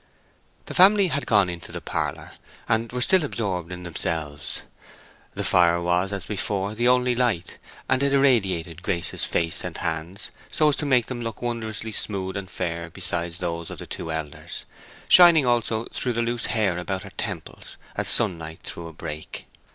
The family had gone into the parlor, and were still absorbed in themselves. The fire was, as before, the only light, and it irradiated Grace's face and hands so as to make them look wondrously smooth and fair beside those of the two elders; shining also through the loose hair about her temples as sunlight through a brake.